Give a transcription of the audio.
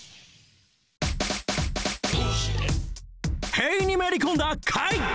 塀にめり込んだ階段！